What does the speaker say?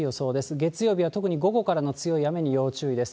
月曜日は特に午後からの強い雨に要注意です。